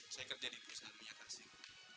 saya kerja di perusahaan minyak asing